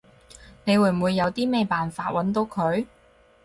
你會唔會有啲咩辦法搵到佢？